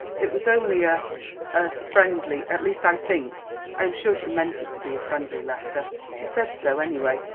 "It was only a a friendly at least I think I am sure she meant it to be a friendly letter. She said so, anyway.